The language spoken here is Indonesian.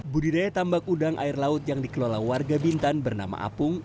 budidaya tambak udang air laut yang dikelola warga bintan bernama apung